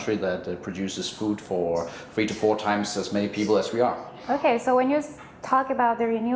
kita bisa lihat di sini anda memiliki dekorasi di sini